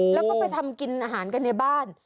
แล้วก็ไปทำกินอาหารกันในบ้าน